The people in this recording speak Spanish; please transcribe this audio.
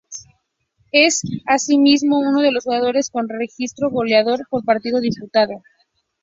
Es asimismo uno de los jugadores con registro goleador por partido disputado.